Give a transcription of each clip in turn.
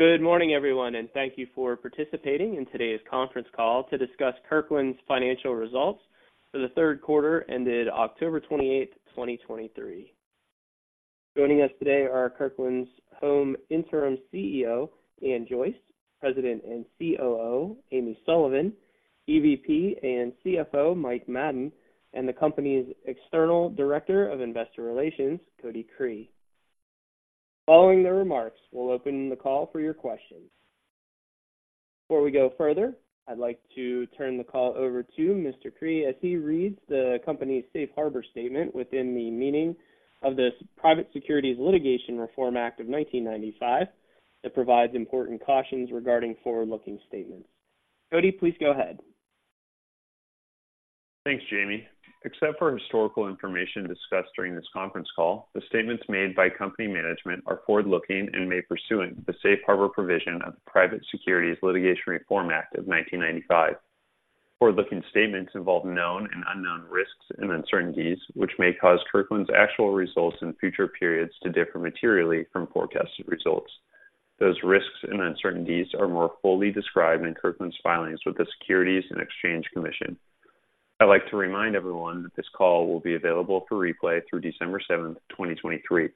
Good morning, everyone, and thank you for participating in today's conference call to discuss Kirkland's Financial Results for the third quarter, ended October 28, 2023. Joining us today are Kirkland's Home Interim CEO Ann Joyce, President and COO Amy Sullivan, EVP and CFO Mike Madden, and the company's External Director of Investor Relations Cody Cree. Following the remarks, we'll open the call for your questions. Before we go further, I'd like to turn the call over to Mr. Cree as he reads the company's Safe Harbor Statement within the meaning of the Private Securities Litigation Reform Act of 1995, that provides important cautions regarding forward-looking statements. Cody, please go ahead. Thanks, Jamie. Except for historical information discussed during this conference call, the statements made by company management are forward-looking and made pursuant to the Safe Harbor provision of the Private Securities Litigation Reform Act of 1995. Forward-looking statements involve known and unknown risks and uncertainties, which may cause Kirkland's actual results in future periods to differ materially from forecasted results. Those risks and uncertainties are more fully described in Kirkland's filings with the Securities and Exchange Commission. I'd like to remind everyone that this call will be available for replay through December 7, 2023.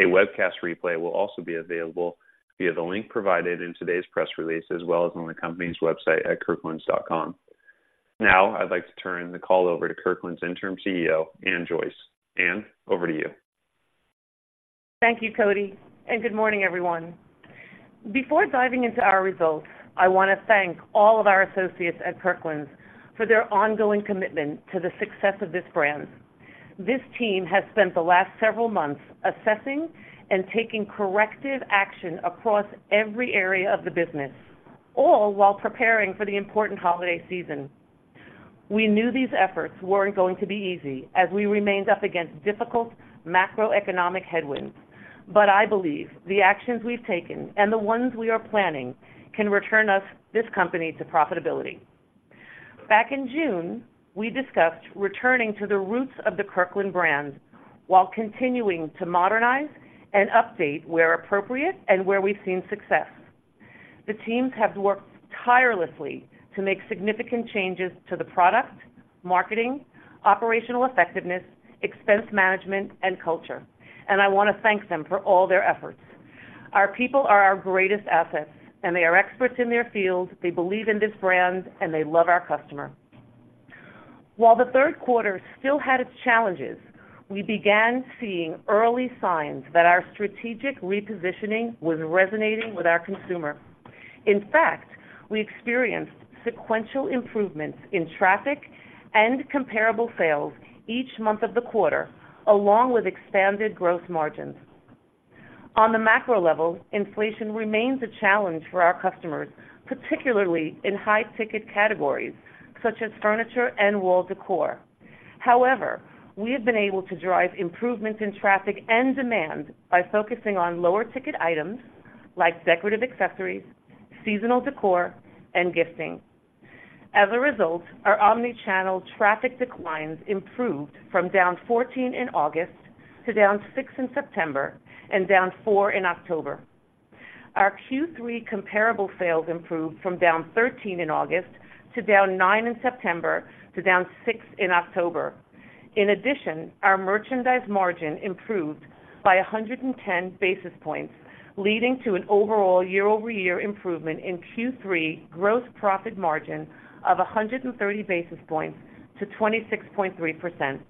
A webcast replay will also be available via the link provided in today's press release, as well as on the company's website at kirklands.com. Now, I'd like to turn the call over to Kirkland's Interim CEO, Ann Joyce. Ann, over to you. Thank you, Cody, and good morning, everyone. Before diving into our results, I wanna thank all of our associates at Kirkland's for their ongoing commitment to the success of this brand. This team has spent the last several months assessing and taking corrective action across every area of the business, all while preparing for the important holiday season. We knew these efforts weren't going to be easy as we remained up against difficult macroeconomic headwinds, but I believe the actions we've taken and the ones we are planning can return us, this company, to profitability. Back in June, we discussed returning to the roots of the Kirkland brand while continuing to modernize and update where appropriate and where we've seen success. The teams have worked tirelessly to make significant changes to the product, marketing, operational effectiveness, expense management, and culture, and I wanna thank them for all their efforts. Our people are our greatest assets, and they are experts in their field. They believe in this brand, and they love our customer. While the third quarter still had its challenges, we began seeing early signs that our strategic repositioning was resonating with our consumer. In fact, we experienced sequential improvements in traffic and comparable sales each month of the quarter, along with expanded growth margins. On the macro level, inflation remains a challenge for our customers, particularly in high-ticket categories such as furniture and wall decor. However, we have been able to drive improvements in traffic and demand by focusing on lower ticket items like decorative accessories, seasonal decor, and gifting. As a result, our Omni-Channel traffic declines improved from down 14 in August to down 6 in September and down 4 in October. Our Q3 comparable sales improved from down 13 in August to down 9 in September to down 6 in October. In addition, our merchandise margin improved by 110 basis points, leading to an overall year-over-year improvement in Q3 gross profit margin of 130 basis points to 26.3%.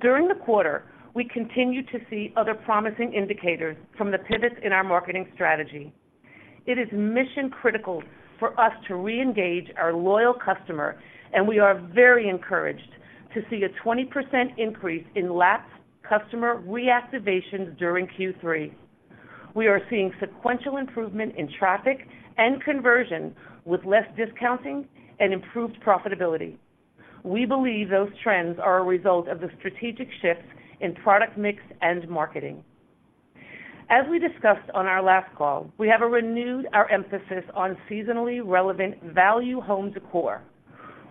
During the quarter, we continued to see other promising indicators from the pivots in our marketing strategy. It is mission critical for us to reengage our loyal customer, and we are very encouraged to see a 20% increase in lapsed customer reactivations during Q3. We are seeing sequential improvement in traffic and conversion with less discounting and improved profitability. We believe those trends are a result of the strategic shifts in product mix and marketing. As we discussed on our last call, we have renewed our emphasis on seasonally relevant value home décor.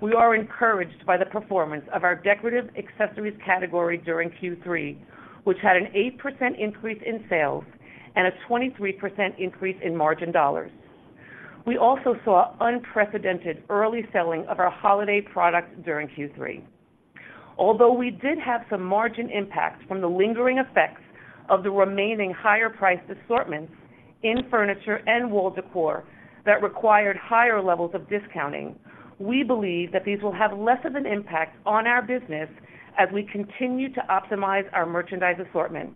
We are encouraged by the performance of our decorative accessories category during Q3, which had an 8% increase in sales and a 23% increase in margin dollars. We also saw unprecedented early selling of our holiday products during Q3. Although we did have some margin impact from the lingering effects of the remaining higher priced assortments in furniture and wall decor that required higher levels of discounting, we believe that these will have less of an impact on our business as we continue to optimize our merchandise assortment.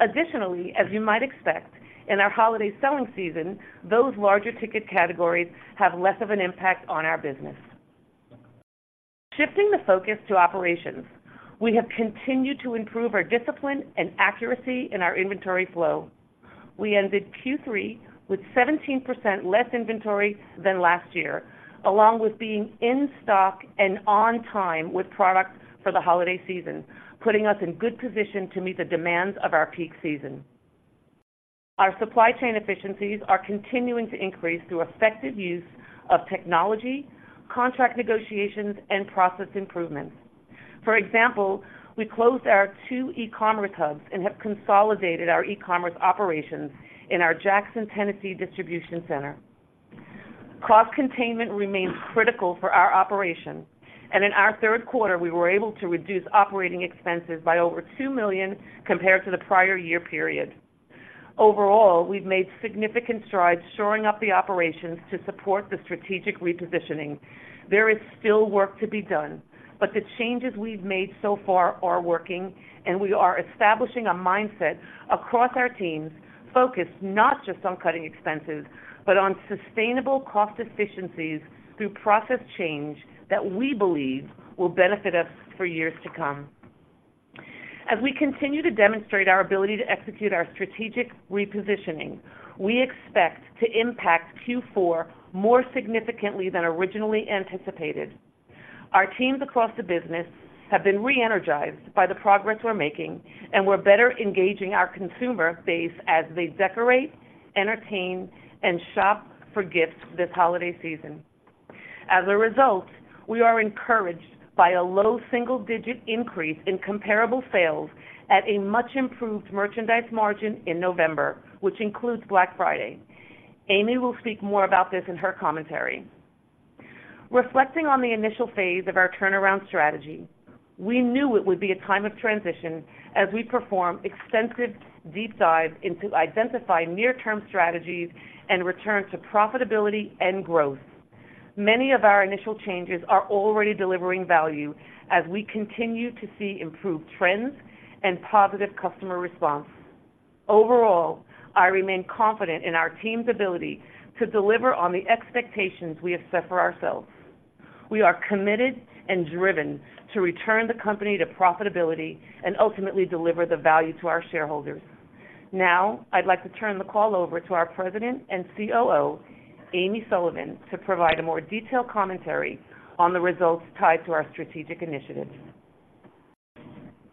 Additionally, as you might expect in our holiday selling season, those larger ticket categories have less of an impact on our business. Shifting the focus to operations, we have continued to improve our discipline and accuracy in our inventory flow. We ended Q3 with 17% less inventory than last year, along with being in stock and on time with products for the holiday season, putting us in good position to meet the demands of our peak season. Our supply chain efficiencies are continuing to increase through effective use of technology, contract negotiations, and process improvements. For example, we closed our two e-commerce hubs and have consolidated our e-commerce operations in our Jackson, Tennessee, distribution center. Cost containment remains critical for our operation, and in our third quarter, we were able to reduce operating expenses by over $2 million compared to the prior year period. Overall, we've made significant strides shoring up the operations to support the strategic repositioning. There is still work to be done, but the changes we've made so far are working, and we are establishing a mindset across our teams, focused not just on cutting expenses, but on sustainable cost efficiencies through process change that we believe will benefit us for years to come. As we continue to demonstrate our ability to execute our strategic repositioning, we expect to impact Q4 more significantly than originally anticipated. Our teams across the business have been re-energized by the progress we're making, and we're better engaging our consumer base as they decorate, entertain, and shop for gifts this holiday season. As a result, we are encouraged by a low single-digit increase in comparable sales at a much-improved merchandise margin in November, which includes Black Friday. Amy will speak more about this in her commentary. Reflecting on the initial phase of our turnaround strategy, we knew it would be a time of transition as we perform extensive deep dives into identifying near-term strategies and return to profitability and growth. Many of our initial changes are already delivering value as we continue to see improved trends and positive customer response. Overall, I remain confident in our team's ability to deliver on the expectations we have set for ourselves. We are committed and driven to return the company to profitability and ultimately deliver the value to our shareholders. Now, I'd like to turn the call over to our President and COO, Amy Sullivan, to provide a more detailed commentary on the results tied to our strategic initiatives.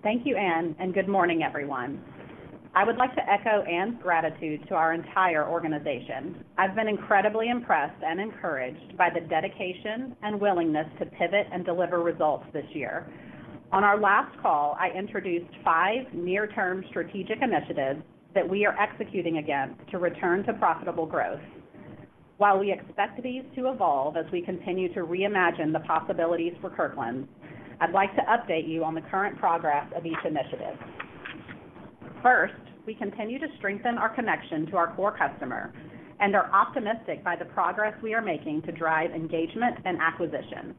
Thank you, Ann, and good morning, everyone. I would like to echo Ann's gratitude to our entire organization. I've been incredibly impressed and encouraged by the dedication and willingness to pivot and deliver results this year. On our last call, I introduced five near-term strategic initiatives that we are executing against to return to profitable growth. While we expect these to evolve as we continue to reimagine the possibilities for Kirkland's, I'd like to update you on the current progress of each initiative. First, we continue to strengthen our connection to our core customer and are optimistic by the progress we are making to drive engagement and acquisition.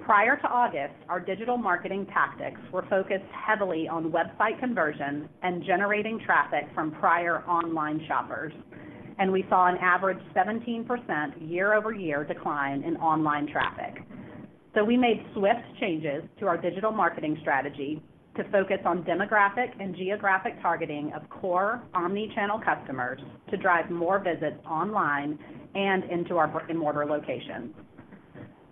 Prior to August, our digital marketing tactics were focused heavily on website conversion and generating traffic from prior online shoppers, and we saw an average 17% year-over-year decline in online traffic. We made swift changes to our digital marketing strategy to focus on demographic and geographic targeting of core Omni-Channel customers to drive more visits online and into our brick-and-mortar locations.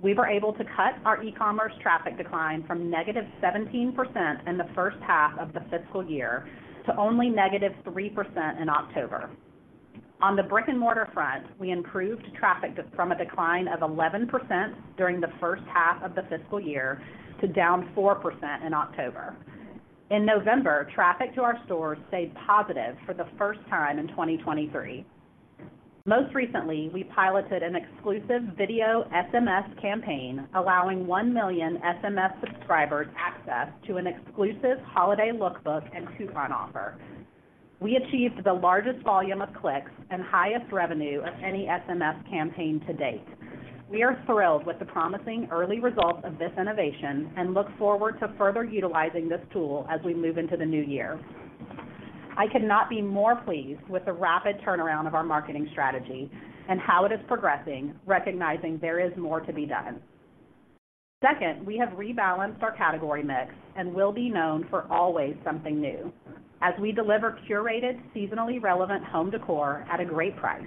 We were able to cut our e-commerce traffic decline from -17% in the first half of the fiscal year to only -3% in October. On the brick-and-mortar front, we improved traffic from a decline of 11% during the first half of the fiscal year to down 4% in October. In November, traffic to our stores stayed positive for the first time in 2023. Most recently, we piloted an exclusive video SMS campaign, allowing 1 million SMS subscribers access to an exclusive holiday lookbook and coupon offer. We achieved the largest volume of clicks and highest revenue of any SMS campaign to date. We are thrilled with the promising early results of this innovation and look forward to further utilizing this tool as we move into the new year. I could not be more pleased with the rapid turnaround of our marketing strategy and how it is progressing, recognizing there is more to be done. Second, we have rebalanced our category mix and will be known for always something new as we deliver curated, seasonally relevant home decor at a great price.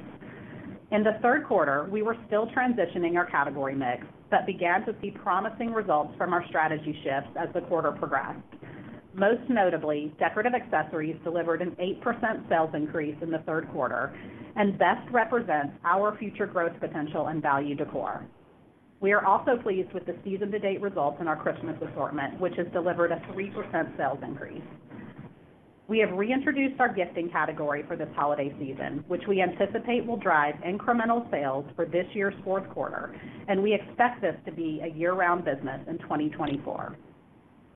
In the third quarter, we were still transitioning our category mix, but began to see promising results from our strategy shifts as the quarter progressed. Most notably, decorative accessories delivered an 8% sales increase in the third quarter and best represents our future growth potential in value decor. We are also pleased with the season-to-date results in our Christmas assortment, which has delivered a 3% sales increase. We have reintroduced our gifting category for this holiday season, which we anticipate will drive incremental sales for this year's fourth quarter, and we expect this to be a year-round business in 2024.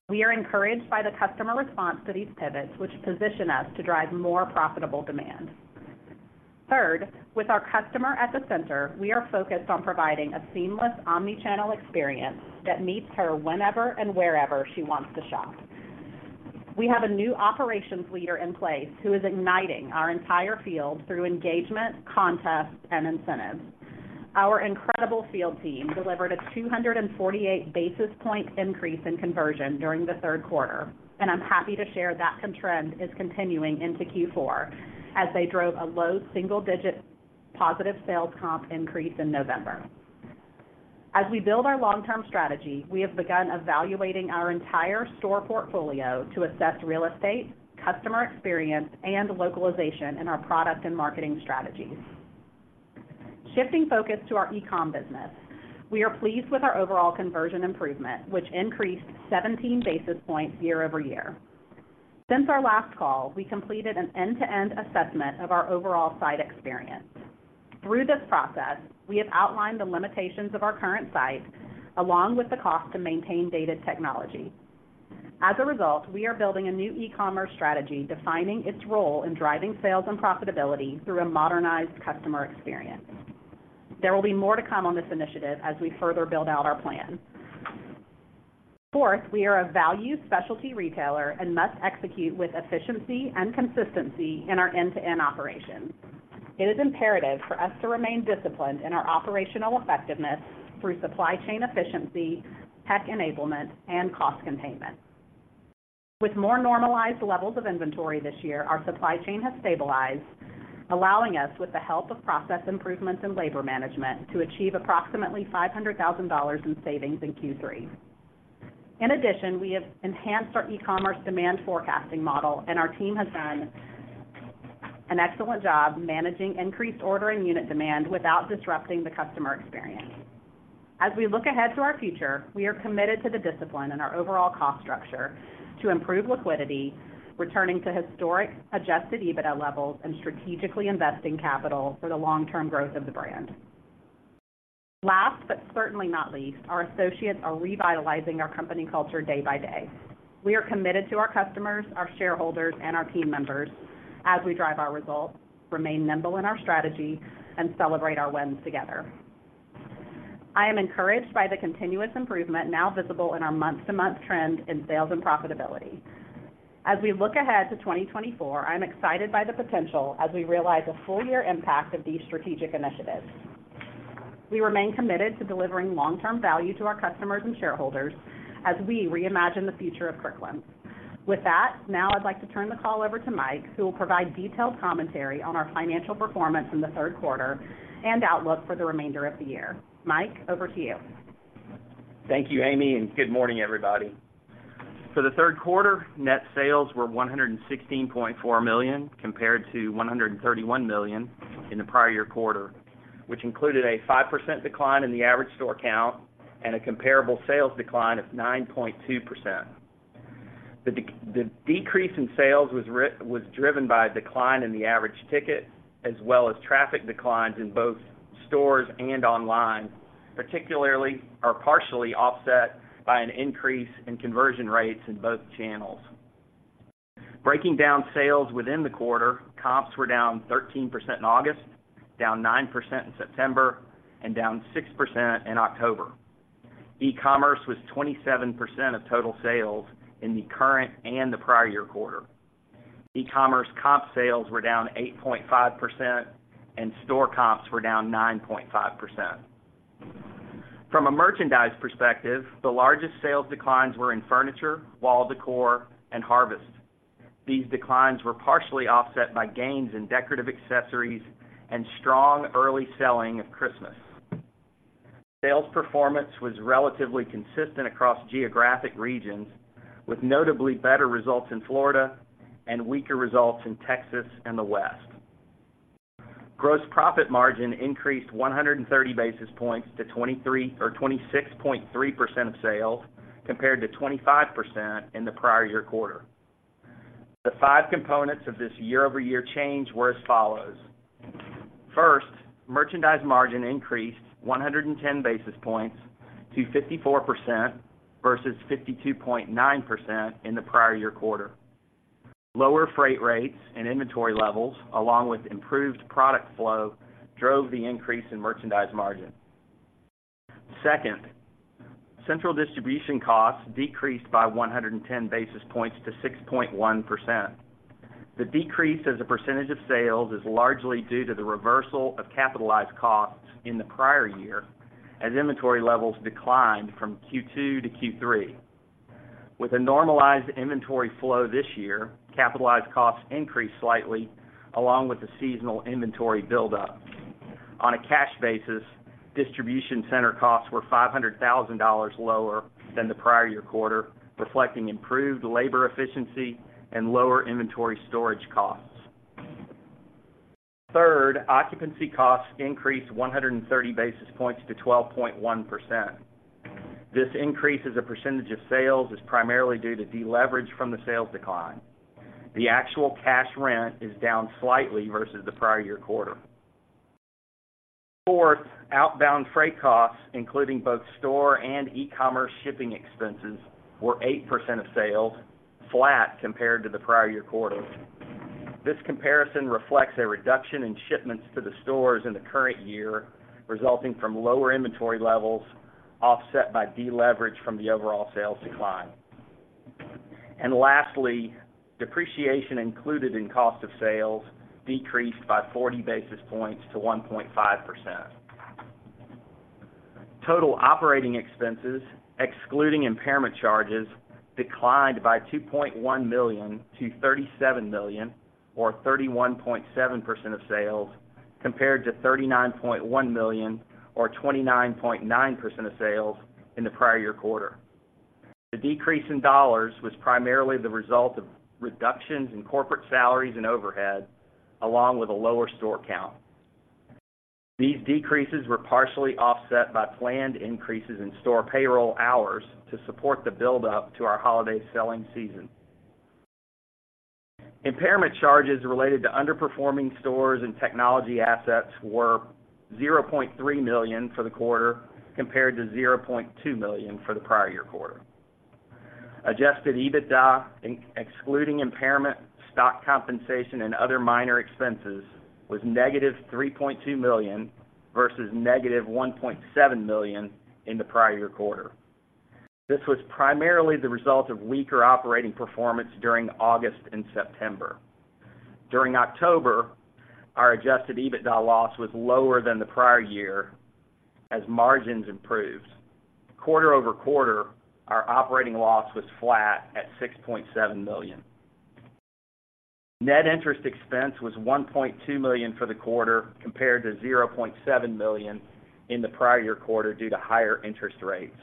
We are encouraged by the customer response to these pivots, which position us to drive more profitable demand. Third, with our customer at the center, we are focused on providing a seamless Omni-Channel experience that meets her whenever and wherever she wants to shop. We have a new operations leader in place who is igniting our entire field through engagement, contests, and incentives. Our incredible field team delivered a 248 basis point increase in conversion during the third quarter, and I'm happy to share that trend is continuing into Q4 as they drove a low single-digit positive sales comp increase in November. As we build our long-term strategy, we have begun evaluating our entire store portfolio to assess real estate, customer experience, and localization in our product and marketing strategies. Shifting focus to our e-comm business, we are pleased with our overall conversion improvement, which increased 17 basis points year-over-year. Since our last call, we completed an end-to-end assessment of our overall site experience. Through this process, we have outlined the limitations of our current site, along with the cost to maintain dated technology. As a result, we are building a new e-commerce strategy, defining its role in driving sales and profitability through a modernized customer experience. There will be more to come on this initiative as we further build out our plan. Fourth, we are a value specialty retailer and must execute with efficiency and consistency in our end-to-end operations. It is imperative for us to remain disciplined in our operational effectiveness through supply chain efficiency, tech enablement, and cost containment. With more normalized levels of inventory this year, our supply chain has stabilized, allowing us, with the help of process improvements and labor management, to achieve approximately $500,000 in savings in Q3. In addition, we have enhanced our e-commerce demand forecasting model, and our team has done an excellent job managing increased order and unit demand without disrupting the customer experience. As we look ahead to our future, we are committed to the discipline and our overall cost structure to improve liquidity, returning to historic Adjusted EBITDA levels and strategically investing capital for the long-term growth of the brand. Last, but certainly not least, our associates are revitalizing our company culture day by day. We are committed to our customers, our shareholders, and our team members as we drive our results, remain nimble in our strategy, and celebrate our wins together. I am encouraged by the continuous improvement now visible in our month-to-month trend in sales and profitability. As we look ahead to 2024, I'm excited by the potential as we realize the full year impact of these strategic initiatives. We remain committed to delivering long-term value to our customers and shareholders as we reimagine the future of Kirkland's. With that, now I'd like to turn the call over to Mike, who will provide detailed commentary on our financial performance in the third quarter and outlook for the remainder of the year. Mike, over to you. Thank you, Amy, and good morning, everybody. For the third quarter, net sales were $116.4 million, compared to $131 million in the prior year quarter, which included a 5% decline in the average store count and a comparable sales decline of 9.2%. The decrease in sales was driven by a decline in the average ticket, as well as traffic declines in both stores and online, particularly, are partially offset by an increase in conversion rates in both channels. Breaking down sales within the quarter, comps were down 13% in August, down 9% in September, and down 6% in October. E-commerce was 27% of total sales in the current and the prior year quarter. E-commerce comp sales were down 8.5% and store comps were down 9.5%. From a merchandise perspective, the largest sales declines were in furniture, wall decor, and Harvest. These declines were partially offset by gains in decorative accessories and strong early selling of Christmas. Sales performance was relatively consistent across geographic regions, with notably better results in Florida and weaker results in Texas and the West. Gross profit margin increased 130 basis points to 23, or 26.3% of sales, compared to 25% in the prior year quarter. The five components of this year-over-year change were as follows: First, merchandise margin increased 110 basis points to 54% versus 52.9% in the prior year quarter. Lower freight rates and inventory levels, along with improved product flow, drove the increase in merchandise margin. Second, central distribution costs decreased by 110 basis points to 6.1%. The decrease as a percentage of sales is largely due to the reversal of capitalized costs in the prior year, as inventory levels declined from Q2-Q3. With a normalized inventory flow this year, capitalized costs increased slightly, along with the seasonal inventory buildup. On a cash basis, distribution center costs were $500,000 lower than the prior year quarter, reflecting improved labor efficiency and lower inventory storage costs. Third, occupancy costs increased 130 basis points to 12.1%. This increase as a percentage of sales is primarily due to deleverage from the sales decline. The actual cash rent is down slightly versus the prior year quarter. Fourth, outbound freight costs, including both store and e-commerce shipping expenses, were 8% of sales, flat compared to the prior year quarter. This comparison reflects a reduction in shipments to the stores in the current year, resulting from lower inventory levels, offset by deleverage from the overall sales decline. And lastly, depreciation included in cost of sales decreased by 40 basis points to 1.5%. Total operating expenses, excluding impairment charges, declined by $2.1 million to $37 million, or 31.7% of sales, compared to $39.1 million, or 29.9% of sales in the prior year quarter. The decrease in dollars was primarily the result of reductions in corporate salaries and overhead, along with a lower store count. These decreases were partially offset by planned increases in store payroll hours to support the buildup to our holiday selling season. Impairment charges related to underperforming stores and technology assets were $0.3 million for the quarter, compared to $0.2 million for the prior year quarter. Adjusted EBITDA, excluding impairment, stock compensation, and other minor expenses, was -$3.2 million, versus -$1.7 million in the prior year quarter. This was primarily the result of weaker operating performance during August and September. During October, our adjusted EBITDA loss was lower than the prior year as margins improved. Quarter-over-quarter, our operating loss was flat at $6.7 million. Net interest expense was $1.2 million for the quarter, compared to $0.7 million in the prior year quarter due to higher interest rates.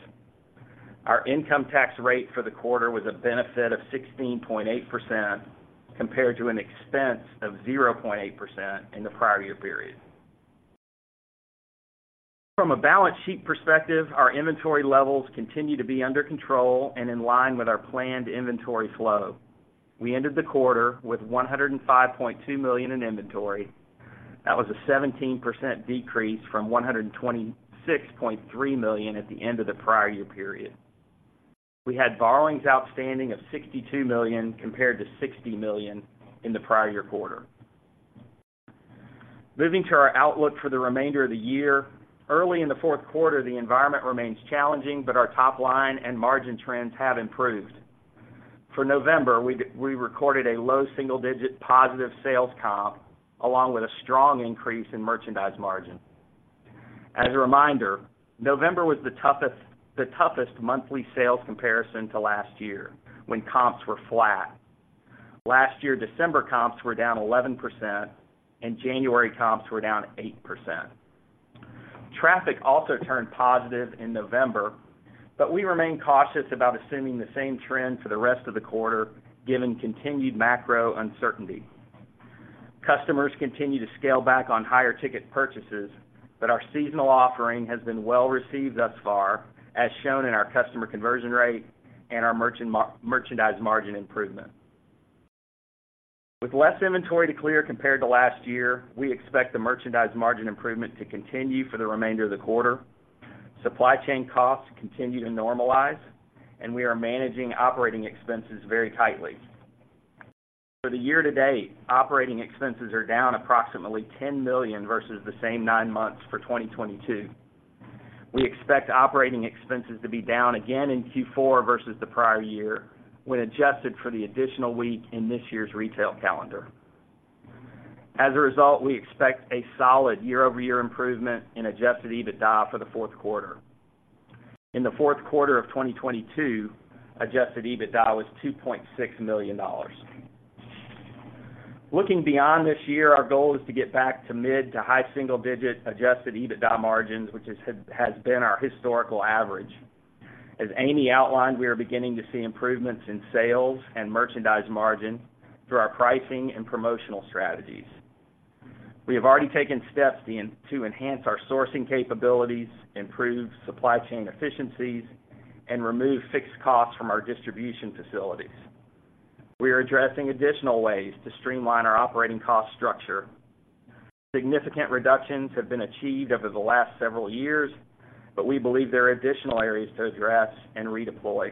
Our income tax rate for the quarter was a benefit of 16.8%, compared to an expense of 0.8% in the prior year period. From a balance sheet perspective, our inventory levels continue to be under control and in line with our planned inventory flow. We ended the quarter with $105.2 million in inventory. That was a 17% decrease from $126.3 million at the end of the prior year period. We had borrowings outstanding of $62 million, compared to $60 million in the prior year quarter. Moving to our outlook for the remainder of the year, early in the fourth quarter, the environment remains challenging, but our top line and margin trends have improved. For November, we recorded a low single-digit positive sales comp, along with a strong increase in merchandise margin. As a reminder, November was the toughest, the toughest monthly sales comparison to last year, when comps were flat. Last year, December comps were down 11%, and January comps were down 8%. Traffic also turned positive in November, but we remain cautious about assuming the same trend for the rest of the quarter, given continued macro uncertainty. Customers continue to scale back on higher ticket purchases, but our seasonal offering has been well received thus far, as shown in our customer conversion rate and our merchandise margin improvement. With less inventory to clear compared to last year, we expect the merchandise margin improvement to continue for the remainder of the quarter. Supply chain costs continue to normalize, and we are managing operating expenses very tightly. For the year-to-date, operating expenses are down approximately $10 million versus the same nine months for 2022. We expect operating expenses to be down again in Q4 versus the prior year, when adjusted for the additional week in this year's retail calendar. As a result, we expect a solid year-over-year improvement in Adjusted EBITDA for the fourth quarter. In the fourth quarter of 2022, Adjusted EBITDA was $2.6 million. Looking beyond this year, our goal is to get back to mid- to high-single-digit Adjusted EBITDA margins, which has been our historical average. As Amy outlined, we are beginning to see improvements in sales and merchandise margin through our pricing and promotional strategies. We have already taken steps to enhance our sourcing capabilities, improve supply chain efficiencies, and remove fixed costs from our distribution facilities. We are addressing additional ways to streamline our operating cost structure. Significant reductions have been achieved over the last several years, but we believe there are additional areas to address and redeploy.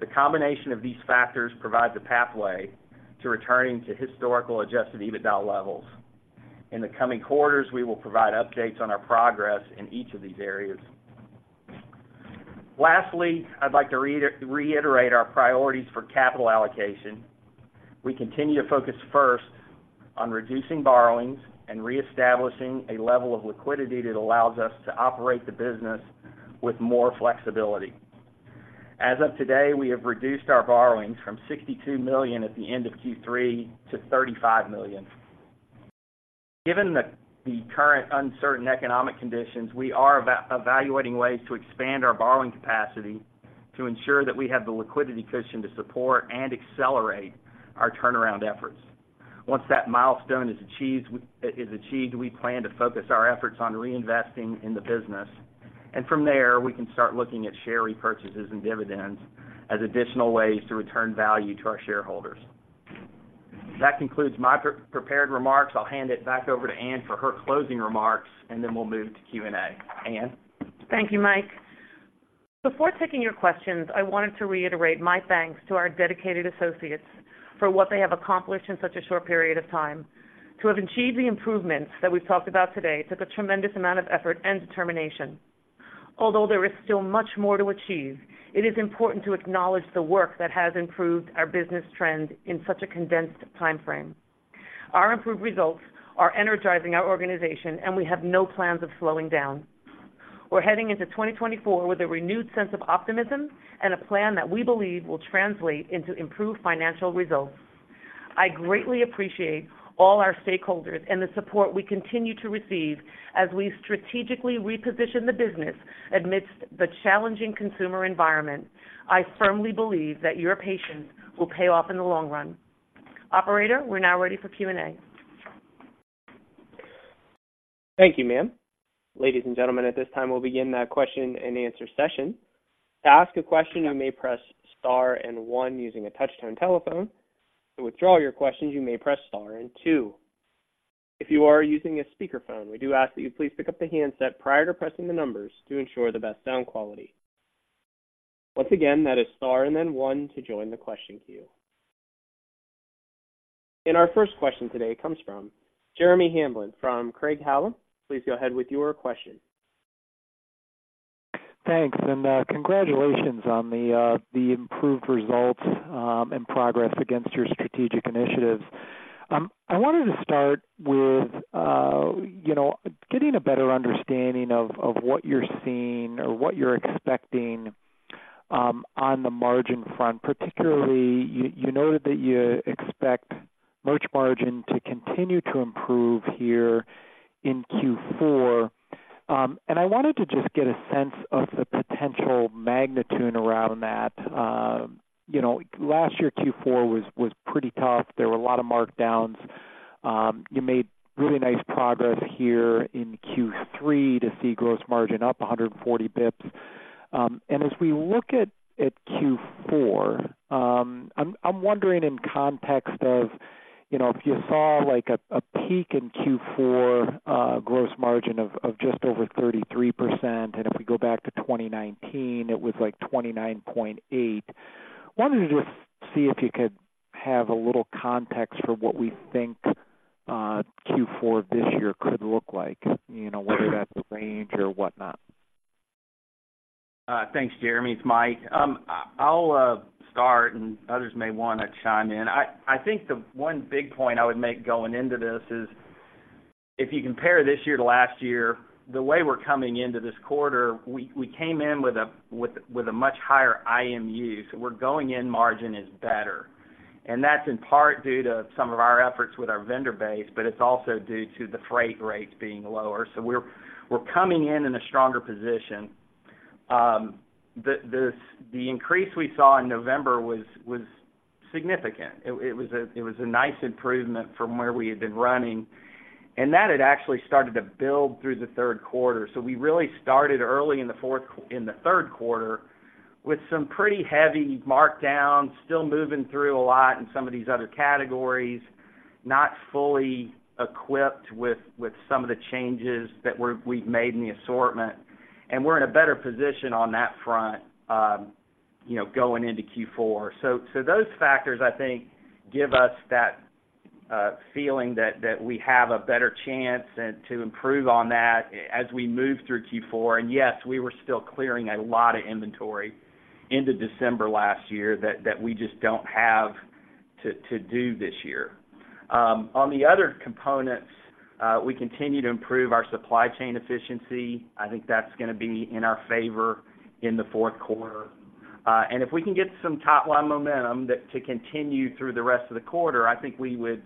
The combination of these factors provides a pathway to returning to historical Adjusted EBITDA levels. In the coming quarters, we will provide updates on our progress in each of these areas. Lastly, I'd like to reiterate our priorities for capital allocation. We continue to focus first on reducing borrowings and reestablishing a level of liquidity that allows us to operate the business with more flexibility. As of today, we have reduced our borrowings from $62 million at the end of Q3 to $35 million. Given the current uncertain economic conditions, we are evaluating ways to expand our borrowing capacity to ensure that we have the liquidity cushion to support and accelerate our turnaround efforts. Once that milestone is achieved, we plan to focus our efforts on reinvesting in the business, and from there, we can start looking at share repurchases and dividends as additional ways to return value to our shareholders. That concludes my prepared remarks. I'll hand it back over to Ann for her closing remarks, and then we'll move to Q&A. Ann? Thank you, Mike. Before taking your questions, I wanted to reiterate my thanks to our dedicated associates for what they have accomplished in such a short period of time. To have achieved the improvements that we've talked about today took a tremendous amount of effort and determination. Although there is still much more to achieve, it is important to acknowledge the work that has improved our business trend in such a condensed time frame. Our improved results are energizing our organization, and we have no plans of slowing down. We're heading into 2024 with a renewed sense of optimism and a plan that we believe will translate into improved financial results.... I greatly appreciate all our stakeholders and the support we continue to receive as we strategically reposition the business amidst the challenging consumer environment. I firmly believe that your patience will pay off in the long run. Operator, we're now ready for Q&A. Thank you, ma'am. Ladies and gentlemen, at this time, we'll begin the question-and-answer session. To ask a question, you may press star and one using a touch-tone telephone. To withdraw your question, you may press star and two. If you are using a speakerphone, we do ask that you please pick up the handset prior to pressing the numbers to ensure the best sound quality. Once again, that is star and then one to join the question queue. And our first question today comes from Jeremy Hamblin from Craig-Hallum. Please go ahead with your question. Thanks, and congratulations on the improved results and progress against your strategic initiatives. I wanted to start with you know, getting a better understanding of what you're seeing or what you're expecting on the margin front, particularly you noted that you expect merch margin to continue to improve here in Q4. And I wanted to just get a sense of the potential magnitude around that. You know, last year, Q4 was pretty tough. There were a lot of markdowns. You made really nice progress here in Q3 to see gross margin up 140 bips. And as we look at Q4, I'm wondering in context of, you know, if you saw like a peak in Q4, gross margin of just over 33%, and if we go back to 2019, it was like 29.8. Wanted to just see if you could have a little context for what we think Q4 this year could look like, you know, whether that's a range or whatnot. Thanks, Jeremy. It's Mike. I'll start, and others may want to chime in. I think the one big point I would make going into this is, if you compare this year to last year, the way we're coming into this quarter, we came in with a much higher IMU, so we're going in, margin is better. That's in part due to some of our efforts with our vendor base, but it's also due to the freight rates being lower. So we're coming in in a stronger position. The increase we saw in November was significant. It was a nice improvement from where we had been running, and that had actually started to build through the third quarter. So we really started early in the third quarter with some pretty heavy markdowns, still moving through a lot in some of these other categories, not fully equipped with some of the changes that we've made in the assortment, and we're in a better position on that front, you know, going into Q4. So those factors, I think, give us that feeling that we have a better chance to improve on that as we move through Q4. And yes, we were still clearing a lot of inventory into December last year that we just don't have to do this year. On the other components, we continue to improve our supply chain efficiency. I think that's gonna be in our favor in the fourth quarter. And if we can get some top-line momentum that to continue through the rest of the quarter, I think we would,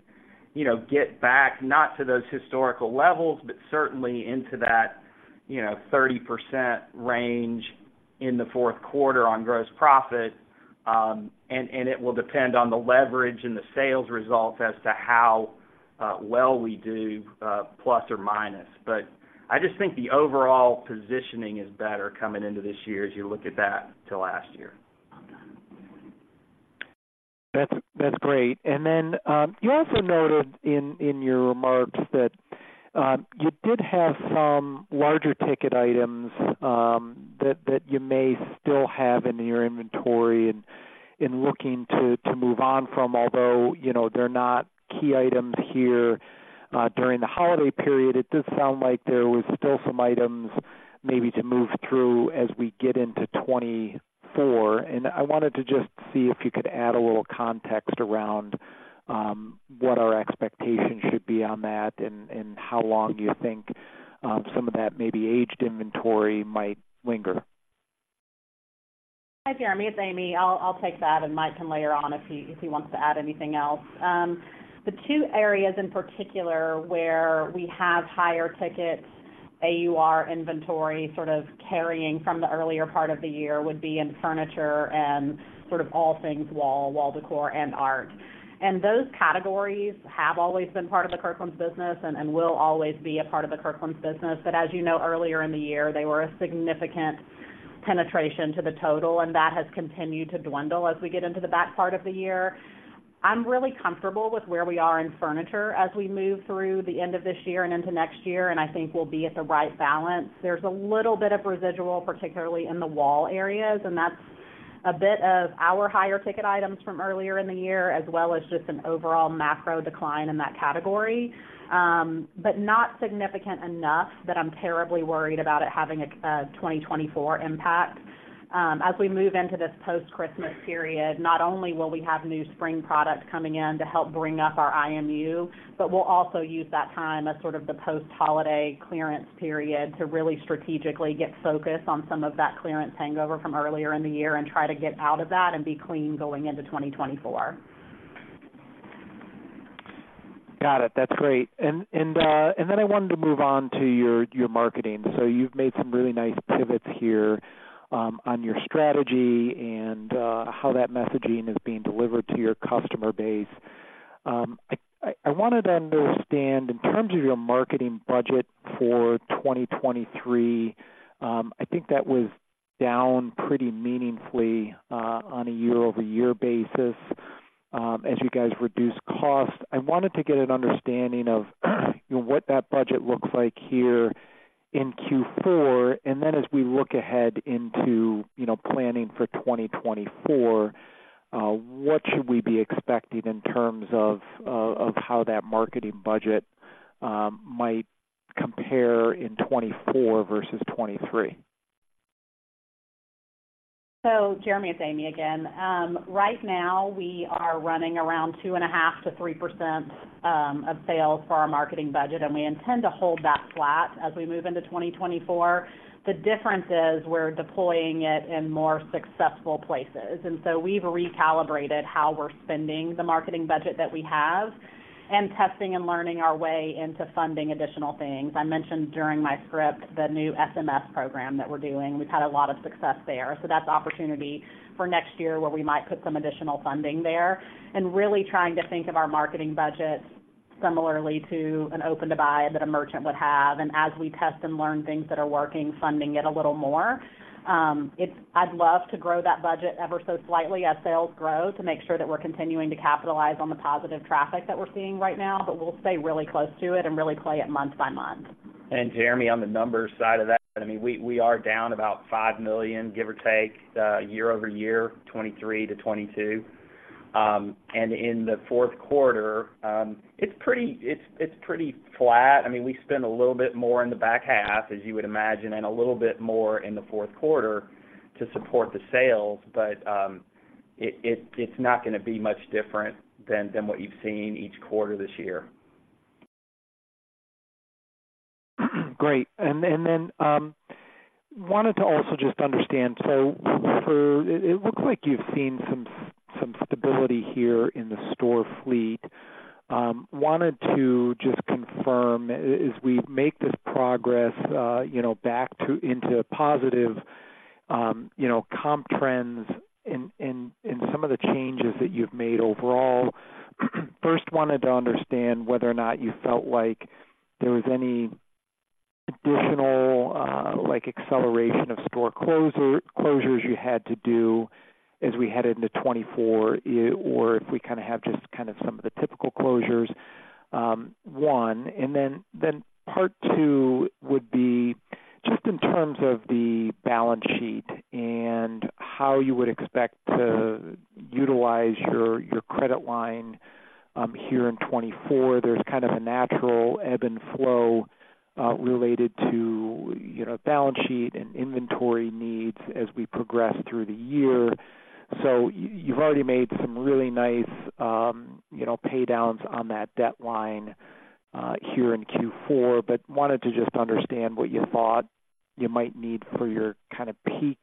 you know, get back not to those historical levels, but certainly into that, you know, 30% range in the fourth quarter on gross profit. And it will depend on the leverage and the sales results as to how well we do, plus or minus. But I just think the overall positioning is better coming into this year as you look at that to last year. That's great. Then you also noted in your remarks that you did have some larger ticket items that you may still have in your inventory and in looking to move on from, although you know, they're not key items here during the holiday period. It does sound like there was still some items maybe to move through as we get into 2024. I wanted to just see if you could add a little context around what our expectations should be on that and how long you think some of that maybe aged inventory might linger. Hi, Jeremy, it's Amy. I'll, I'll take that, and Mike can layer on if he, if he wants to add anything else. The two areas in particular where we have higher tickets, AUR inventory, sort of carrying from the earlier part of the year, would be in furniture and sort of all things wall, wall decor, and art. Those categories have always been part of the Kirkland's business and, and will always be a part of the Kirkland's business. But as you know, earlier in the year, they were a significant penetration to the total, and that has continued to dwindle as we get into the back part of the year. I'm really comfortable with where we are in furniture as we move through the end of this year and into next year, and I think we'll be at the right balance. There's a little bit of residual, particularly in the wall areas, and that's a bit of our higher ticket items from earlier in the year, as well as just an overall macro decline in that category. But not significant enough that I'm terribly worried about it having a 2024 impact. As we move into this post-Christmas period, not only will we have new spring products coming in to help bring up our IMU, but we'll also use that time as sort of the post-holiday clearance period to really strategically get focused on some of that clearance hangover from earlier in the year and try to get out of that and be clean going into 2024.... Got it. That's great! And then I wanted to move on to your marketing. So you've made some really nice pivots here on your strategy and how that messaging is being delivered to your customer base. I wanted to understand, in terms of your marketing budget for 2023, I think that was down pretty meaningfully on a year-over-year basis, as you guys reduced costs. I wanted to get an understanding of, you know, what that budget looks like here in Q4, and then as we look ahead into, you know, planning for 2024, what should we be expecting in terms of of how that marketing budget might compare in 2024 versus 2023? So Jeremy, it's Amy again. Right now, we are running around 2.5%-3% of sales for our marketing budget, and we intend to hold that flat as we move into 2024. The difference is we're deploying it in more successful places, and so we've recalibrated how we're spending the marketing budget that we have and testing and learning our way into funding additional things. I mentioned during my script, the new SMS program that we're doing, we've had a lot of success there. So that's opportunity for next year, where we might put some additional funding there. And really trying to think of our marketing budget similarly to an open-to-buy that a merchant would have, and as we test and learn things that are working, funding it a little more. I'd love to grow that budget ever so slightly as sales grow, to make sure that we're continuing to capitalize on the positive traffic that we're seeing right now, but we'll stay really close to it and really play it month by month. And Jeremy, on the numbers side of that, I mean, we are down about $5 million, give or take, year-over-year, 2023-2022. And in the fourth quarter, it's pretty flat. I mean, we spend a little bit more in the back half, as you would imagine, and a little bit more in the fourth quarter to support the sales, but it's not gonna be much different than what you've seen each quarter this year. Great! Wanted to also just understand, so for it looks like you've seen some stability here in the store fleet. Wanted to just confirm, as we make this progress, you know, back to, into positive, you know, comp trends in some of the changes that you've made overall. First, wanted to understand whether or not you felt like there was any additional, like, acceleration of store closure, closures you had to do as we head into 2024, or if we kinda have just kind of some of the typical closures, one. Then part two would be, just in terms of the balance sheet and how you would expect to utilize your credit line here in 2024. There's kind of a natural ebb and flow related to, you know, balance sheet and inventory needs as we progress through the year. So you've already made some really nice, you know, pay downs on that debt line here in Q4, but wanted to just understand what you thought you might need for your kind of peak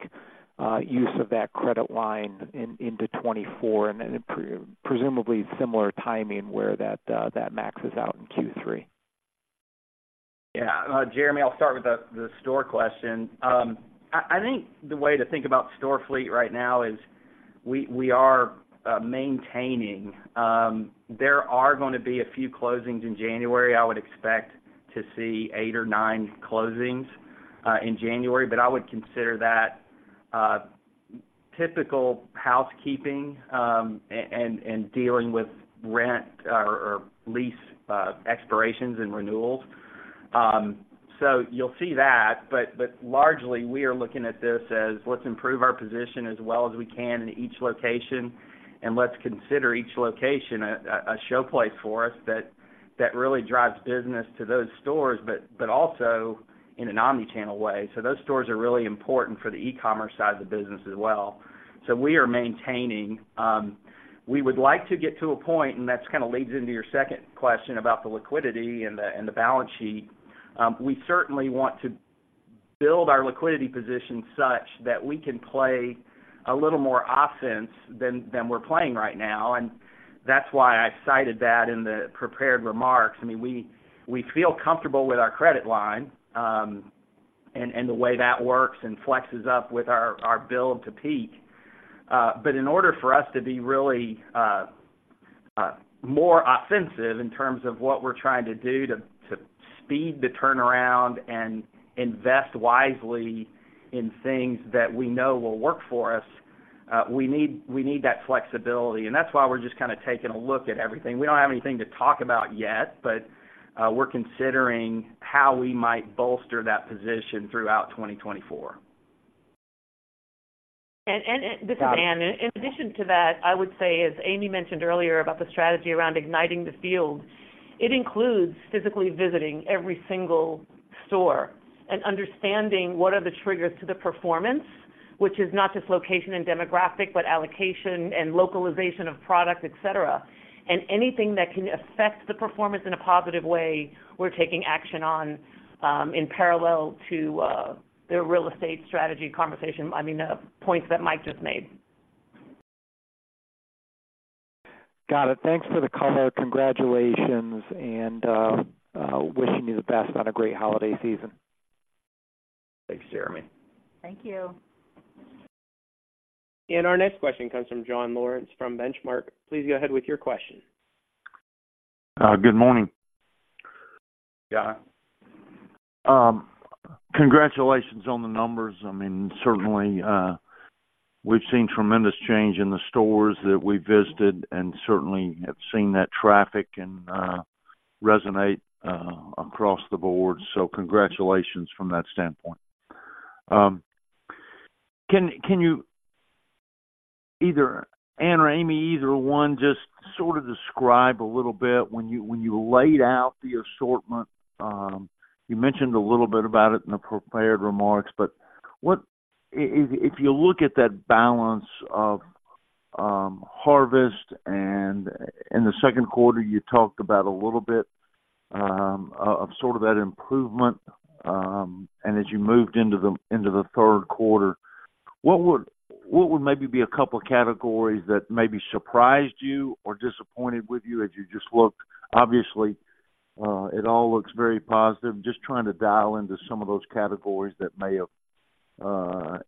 use of that credit line into 2024, and then presumably, similar timing where that that maxes out in Q3. Yeah. Jeremy, I'll start with the store question. I think the way to think about store fleet right now is we are maintaining. There are gonna be a few closings in January. I would expect to see eight or nine closings in January, but I would consider that typical housekeeping and dealing with rent or lease expirations and renewals. So you'll see that, but largely, we are looking at this as, let's improve our position as well as we can in each location, and let's consider each location a showplace for us that really drives business to those stores, but also in an Omni-Channel way. So those stores are really important for the E-commerce side of the business as well. So we are maintaining. We would like to get to a point, and that's kinda leads into your second question about the liquidity and the balance sheet. We certainly want to build our liquidity position such that we can play a little more offense than we're playing right now, and that's why I cited that in the prepared remarks. I mean, we feel comfortable with our credit line and the way that works and flexes up with our build to peak. But in order for us to be really more offensive in terms of what we're trying to do to speed the turnaround and invest wisely in things that we know will work for us, we need that flexibility, and that's why we're just kinda taking a look at everything. We don't have anything to talk about yet, but, we're considering how we might bolster that position throughout 2024. And this is Ann. In addition to that, I would say, as Amy mentioned earlier about the strategy around igniting the field, it includes physically visiting every single store and understanding what are the triggers to the performance, which is not just location and demographic, but allocation and localization of product, et cetera. And anything that can affect the performance in a positive way, we're taking action on, in parallel to the real estate strategy conversation - I mean, the points that Mike just made. ... Got it. Thanks for the call. Congratulations, and wishing you the best on a great holiday season. Thanks, Jeremy. Thank you. Our next question comes from John Lawrence from Benchmark. Please go ahead with your question. Good morning. Yeah. Congratulations on the numbers. I mean, certainly, we've seen tremendous change in the stores that we visited and certainly have seen that traffic and resonate across the board. So congratulations from that standpoint. Can you, either Ann or Amy, either one, just sort of describe a little bit when you laid out the assortment? You mentioned a little bit about it in the prepared remarks, but what if you look at that balance of Harvest, and in the second quarter, you talked about a little bit of sort of that improvement? And as you moved into the third quarter, what would maybe be a couple of categories that maybe surprised you or disappointed with you as you just looked? Obviously, it all looks very positive. Just trying to dial into some of those categories that may have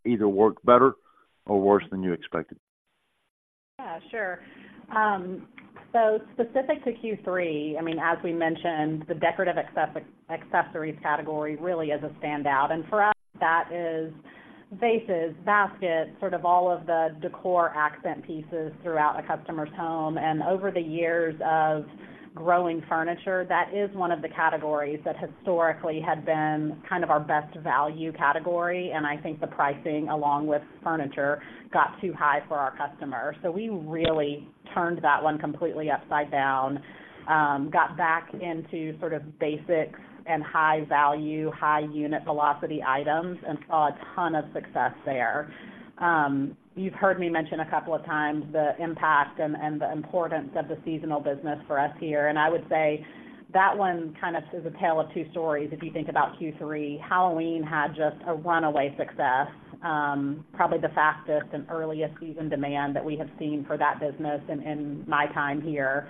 either worked better or worse than you expected. Yeah, sure. So specific to Q3, I mean, as we mentioned, the decorative accessories category really is a standout, and for us, that is vases, baskets, sort of all of the decor accent pieces throughout a customer's home. And over the years of growing furniture, that is one of the categories that historically had been kind of our best value category, and I think the pricing, along with furniture, got too high for our customer. So we really turned that one completely upside down, got back into sort of basics and high value, high unit velocity items, and saw a ton of success there. You've heard me mention a couple of times the impact and the importance of the seasonal business for us here, and I would say that one kind of is a tale of two stories if you think about Q3. Halloween had just a runaway success, probably the fastest and earliest season demand that we have seen for that business in my time here.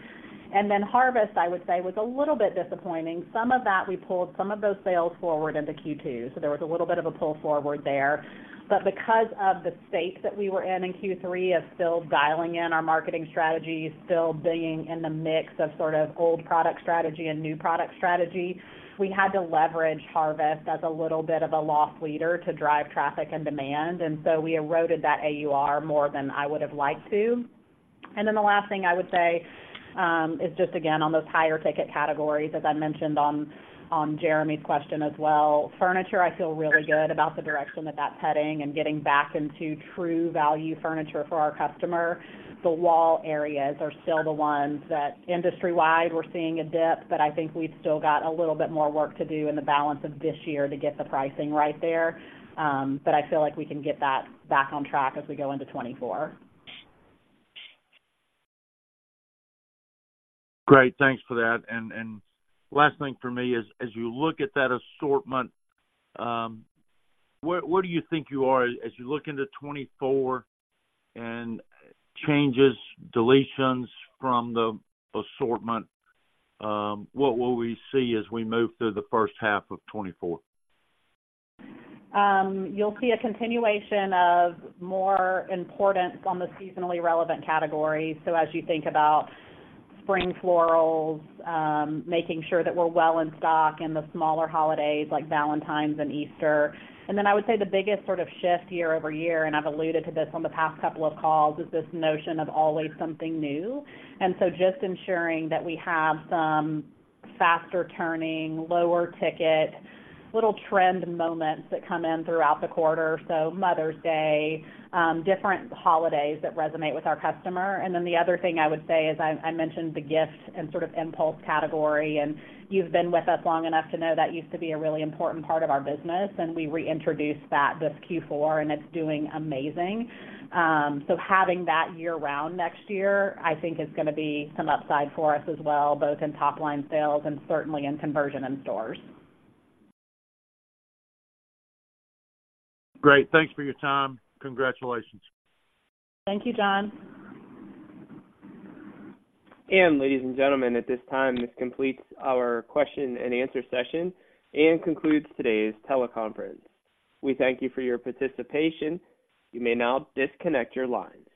And then Harvest, I would say, was a little bit disappointing. Some of that, we pulled some of those sales forward into Q2, so there was a little bit of a pull forward there. But because of the state that we were in, in Q3, of still dialing in our marketing strategy, still being in the mix of sort of old product strategy and new product strategy, we had to leverage Harvest as a little bit of a loss leader to drive traffic and demand. And so we eroded that AUR more than I would have liked to. And then the last thing I would say is just again, on those higher ticket categories, as I mentioned on Jeremy's question as well, furniture, I feel really good about the direction that that's heading and getting back into true value furniture for our customer. The wall areas are still the ones that industry-wide, we're seeing a dip, but I think we've still got a little bit more work to do in the balance of this year to get the pricing right there. But I feel like we can get that back on track as we go into 2024. Great. Thanks for that. And last thing for me is, as you look at that assortment, where do you think you are as you look into 2024 and changes, deletions from the assortment, what will we see as we move through the first half of 2024? You'll see a continuation of more importance on the seasonally relevant categories. So as you think about spring florals, making sure that we're well in stock in the smaller holidays like Valentine's and Easter. And then I would say the biggest sort of shift year-over-year, and I've alluded to this on the past couple of calls, is this notion of always something new. And so just ensuring that we have some faster turning, lower ticket, little trend moments that come in throughout the quarter. So Mother's Day, different holidays that resonate with our customer. And then the other thing I would say is, I, I mentioned the gifts and sort of impulse category, and you've been with us long enough to know that used to be a really important part of our business, and we reintroduced that this Q4, and it's doing amazing. Having that year-round next year, I think is gonna be some upside for us as well, both in top-line sales and certainly in conversion in stores. Great. Thanks for your time. Congratulations. Thank you, John. Ladies and gentlemen, at this time, this completes our question and answer session and concludes today's teleconference. We thank you for your participation. You may now disconnect your line.